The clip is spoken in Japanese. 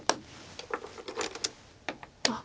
あっ。